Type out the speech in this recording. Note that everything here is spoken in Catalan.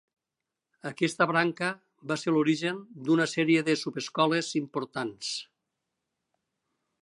Aquesta branca va ser l'origen d'una sèrie de subescoles importants.